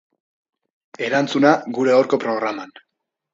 Erantzuna, gure gaurko programan.